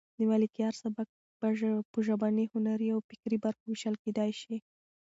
د ملکیار سبک په ژبني، هنري او فکري برخو وېشل کېدای شي.